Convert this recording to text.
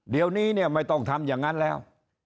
เดี๋ยวนี้เนี่ยไม่ต้องทำอย่างนั้นแล้ว